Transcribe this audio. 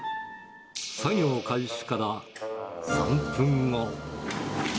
作業開始から３分後。